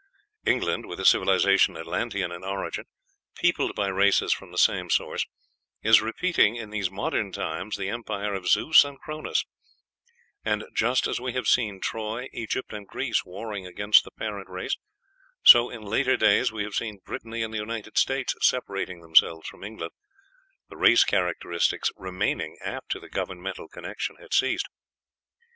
England, with a civilization Atlantean in origin, peopled by races from the same source, is repeating in these modern times the empire of Zeus and Chronos; and, just as we have seen Troy, Egypt, and Greece warring against the parent race, so in later days we have seen Brittany and the United States separating themselves from England, the race characteristics remaining after the governmental connection had ceased.